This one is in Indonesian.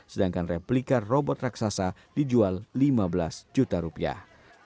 sedangkan replika robot raksasa dijual lima belas juta rupiah